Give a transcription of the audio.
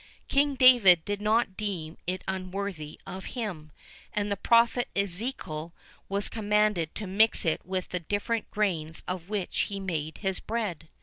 King David did not deem it unworthy of him,[VIII 10] and the Prophet Ezekiel was commanded to mix it with the different grains of which he made his bread.